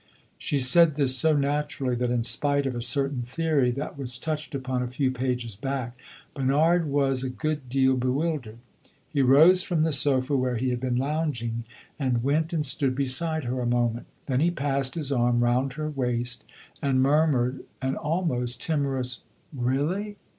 She said this so naturally that in spite of a certain theory that was touched upon a few pages back, Bernard was a good deal bewildered. He rose from the sofa where he had been lounging and went and stood beside her a moment. Then he passed his arm round her waist and murmured an almost timorous "Really?"